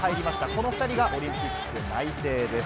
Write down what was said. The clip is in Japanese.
この２人がオリンピック内定です。